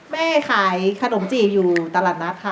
แม่ขายขนมจีบอยู่ตลาดนัดค่ะ